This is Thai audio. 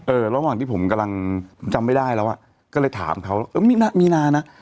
ระหว่างที่ผมกำลังผมจำไม่ได้แล้วอ่ะก็เลยถามเขาเออมีนามีนานะ